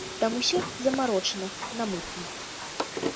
Там усё замарочана на мытні.